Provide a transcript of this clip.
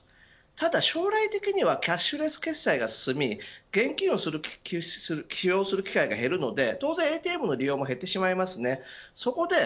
ただ将来的にはキャッシュレス決済が進み現金を使用する機会は減るので当然、ＡＴＭの利用も減ってしまいます。